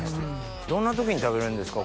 どんな時に食べるんですか？